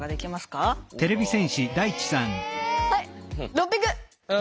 ６００。